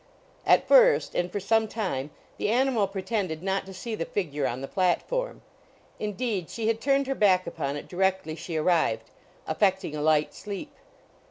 At first, and for some time, the animal pretended not to see the figure on the platform. Indeed she had turned her back upon it directly she arrived, affecting a light sleep.